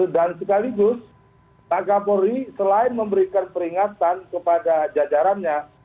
dan sekaligus pak kapoli selain memberikan peringatan kepada jajarannya